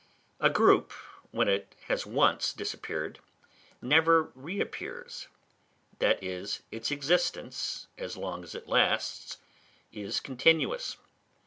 A group, when it has once disappeared, never reappears; that is, its existence, as long as it lasts, is continuous.